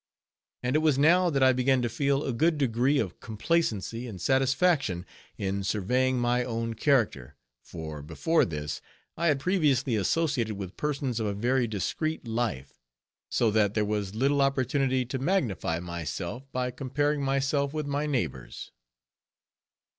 And it was now, that I began to feel a good degree of complacency and satisfaction in surveying my own character; for, before this, I had previously associated with persons of a very discreet life, so that there was little opportunity to magnify myself, by comparing myself with my neighbors.